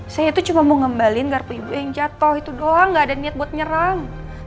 saya itu cuma mau ngembalin garpu ibu yang jatuh itu doang gak ada niat buat nyerang